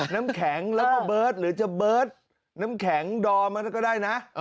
น้ำแข็งแล้วก็เบิร์ตหรือจะเบิร์ตน้ำแข็งดอมก็ได้นะ